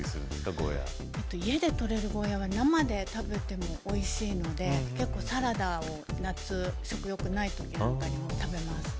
ゴーヤー家で採れるゴーヤーは生で食べてもおいしいので結構サラダを夏食欲ない時なんかにも食べます